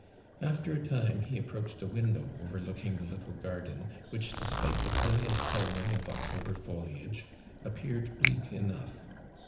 After a time ho approached a window overlooking the little garden, which, d»»spite tho brilliant coloi'ing of October foliag<', appeared bleak enough.